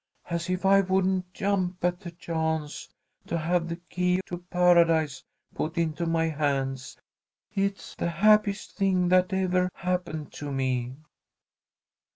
"As if I wouldn't jump at the chance to have the key to paradise put into my hands. It's the happiest thing that ever happened to me."